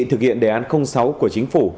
thực hiện đề án sáu của chính phủ